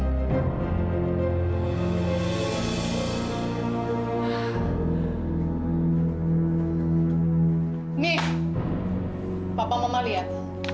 nih papa mau melihat